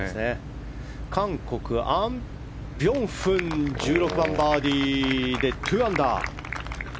韓国、アン・ビョンフン１６番バーディーで２アンダー。